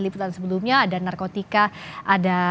liputan sebelumnya ada narkotika ada